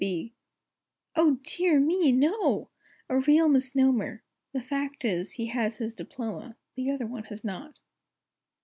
B. Oh, dear me, no! A real misnomer! The fact is, he has his diploma; The other one has not.